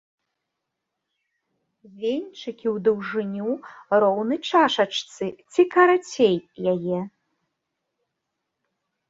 Венчыкі ў даўжыню роўны чашачцы ці карацей яе.